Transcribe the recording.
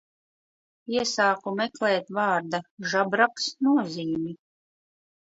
Iesāku meklēt vārda žabraks nozīmi.